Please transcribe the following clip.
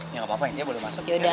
ya gapapa intinya boleh masuk